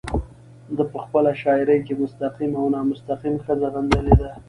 ده په خپله شاعرۍ کې مستقيم او نامستقيم ښځه غندلې ده